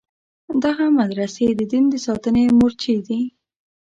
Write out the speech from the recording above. دغه مدرسې د دین د ساتنې مورچې دي.